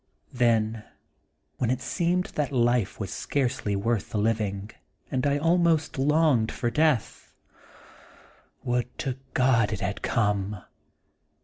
Then, when it seemed that life was scarcely worth the living, and I almost longed for death (would to God it had come!)